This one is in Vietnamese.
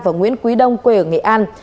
và nguyễn quý đông quê ở nghệ an